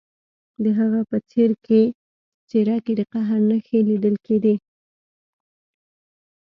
د هغه په څیره کې د قهر نښې لیدل کیدې